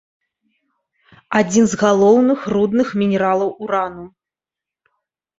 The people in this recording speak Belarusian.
Адзін з галоўных рудных мінералаў урану.